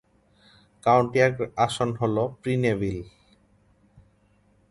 County আসন হল প্রিনেভিল।